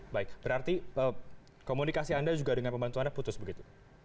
baik berarti komunikasi anda juga dengan pembantu anda putus begitu